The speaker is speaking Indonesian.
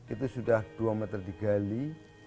itu sudah dua meter digali